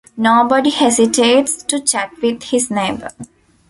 Nobody hesitates to chat with his neighbor.